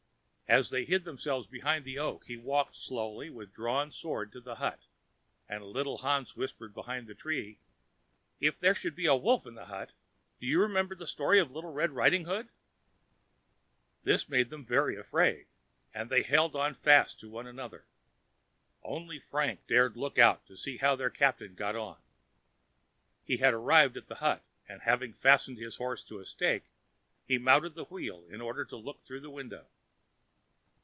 As they hid themselves behind the oak, he walked slowly with drawn sword to the hut, and little Hans whispered behind the tree: "If there should be a wolf in the hut! Do you remember the story of 'Little Red Riding hood'?" This made them very much afraid, and they held the faster to one another. Only Frank dared look out to see how their captain got on. He had arrived at the hut, and, having fastened his horse to a stake, he mounted the wheel in order to look through the window.